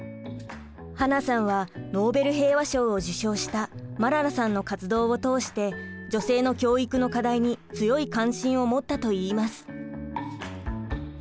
英さんはノーベル平和賞を受賞したマララさんの活動を通して女性の教育の課題に強い関心を持ったといいます。